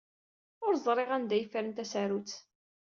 Ur ẓriɣ anda ay ffren tasarut.